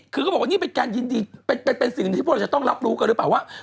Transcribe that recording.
คือเขาบอกว่านี่เป็นการยินดีเป็นสิ่งหนึ่งที่พวกเราจะต้องรับรู้กันหรือเปล่าว่า